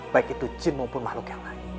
baik itu jin maupun makhluk yang lain